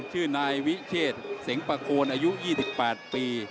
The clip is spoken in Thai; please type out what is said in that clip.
ชื่อนายวิเชษเสงประโคนอายุ๒๘ปี